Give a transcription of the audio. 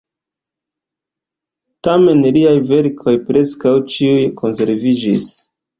Tamen liaj verkoj preskaŭ ĉiuj konserviĝis.